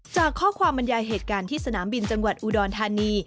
จากข้อความบรรยายเหตุการณ์ที่สนามบินจังหวัดอุดรธานี